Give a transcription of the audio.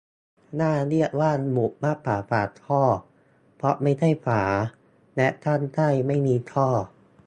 "น่าเรียกว่าหมุดมากกว่าฝาท่อ เพราะไม่ใช่ฝา และข้างใต้ไม่มีท่อ"